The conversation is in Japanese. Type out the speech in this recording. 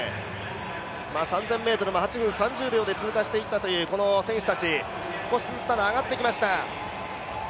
３０００ｍを８分３０秒で通過していったという選手たち、少しずつ上がってきました。